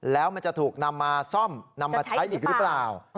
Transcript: แล้วมันจะถูกนำมาซ่อมนำมาใช้อีกหรือเปล่า